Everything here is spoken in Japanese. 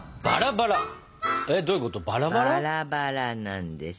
バラバラなんです。